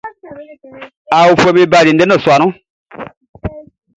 Aofuɛʼm be bali andɛ ndɔsua nun.